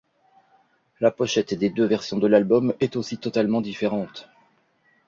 La pochette des deux versions de l'album est aussi totalement différente.